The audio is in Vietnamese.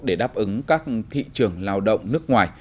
để đáp ứng các thị trường lao động nước ngoài